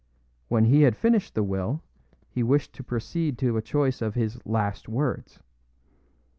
When he had finished the will, he wished to proceed to a choice of his "last words."